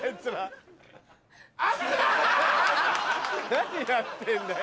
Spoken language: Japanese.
何やってんだよ